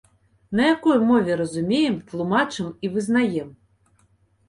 На якой мове разумеем, тлумачым і вызнаем?